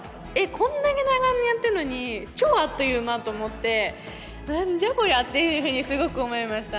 こんなに長年やってるのに、超あっという間と思って、なんじゃこりゃっていうふうに、すごく思いました。